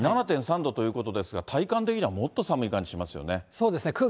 ７．３度ということですが、体感的にはもっと寒い感じしますそうですね。